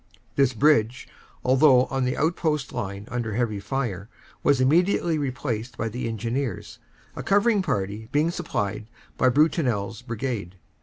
"This bridge, although on the outpost line under heavy fire, was immediately replaced by the Engineers, a covering party being supplied by BrutineFs Brigade.